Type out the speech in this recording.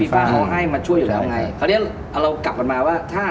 มันช่วยอยู่แล้วไงคราวเนี้ยเรากลับกันมาว่าถ้า